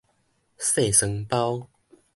細床包